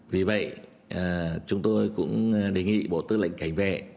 vì vậy chúng tôi cũng đề nghị bộ tư lệnh cảnh vệ